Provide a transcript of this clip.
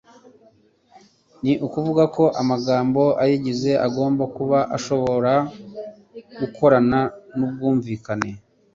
Ni ukuvuga ko amagambo ayigize agomba kuba ashobora gukorana mu ubwumvikane.